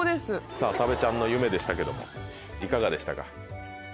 さぁ多部ちゃんの夢でしたけどもいかがでしたか？